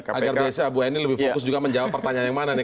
agar bisa bu eni lebih fokus juga menjawab pertanyaan yang mana nih